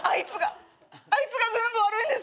あいつが全部悪いんです。